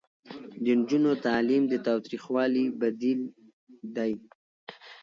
د نجونو تعلیم د تاوتریخوالي بدیل دی.